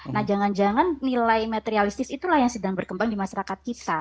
nah jangan jangan nilai materialistis itulah yang sedang berkembang di masyarakat kita